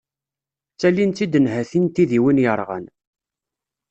Ttalint-tt-id nnhati n tidiwin yerɣan.